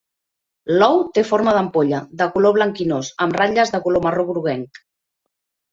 L'ou té forma d'ampolla, de color blanquinós, amb ratlles de color marró groguenc.